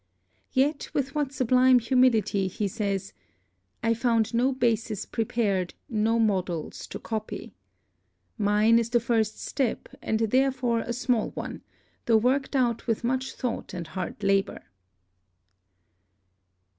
Yet with what sublime humility he says: "I found no basis prepared, no models to copy. Mine is the first step, and therfeore a small one, though worked out with much thought and hard labor."